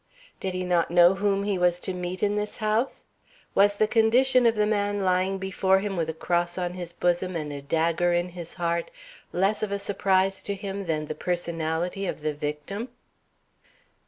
Did he not know whom he was to meet in this house? Was the condition of the man lying before him with a cross on his bosom and a dagger in his heart less of a surprise to him than the personality of the victim?